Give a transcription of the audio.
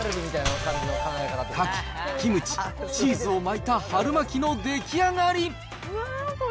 カキ、キムチ、チーズを巻いた春巻きの出来上がり。